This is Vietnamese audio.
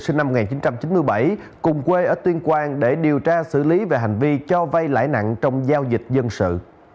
sinh năm một nghìn chín trăm chín mươi bảy cùng quê ở tuyên quang để điều tra xử lý về hành vi cho vay lãi nặng trong giao dịch dân sự